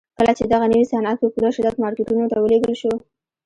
کله چې دغه نوي صنعت په پوره شدت مارکيټونو ته ولېږل شو.